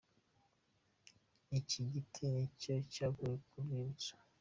Iki giti nicyo cyaguye ku rwibutso.